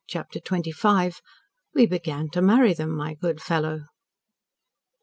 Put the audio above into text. CHAPTER XXV "WE BEGAN TO MARRY THEM, MY GOOD FELLOW!"